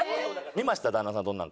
見ました。